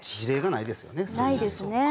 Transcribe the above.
ないですね。